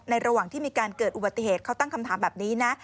ระหว่างที่มีการเกิดอุบัติเหตุเขาตั้งคำถามแบบนี้นะ